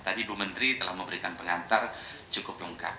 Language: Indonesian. tadi bumenteri telah memberikan pengantar cukup lengkap